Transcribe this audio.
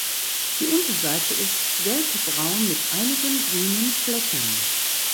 Die Unterseite ist gelbbraun mit einigen grünen Flecken.